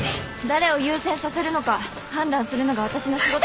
誰を優先させるのか判断するのが私の仕事。